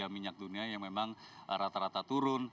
minyak dunia yang memang rata rata turun